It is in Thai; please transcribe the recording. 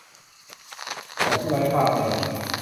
ส่งผู้ร้ายข้ามแดน